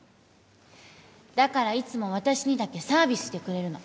だからいつも私にだけサービスしてくれるの